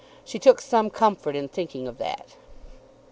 She took some comfort in thinking of that.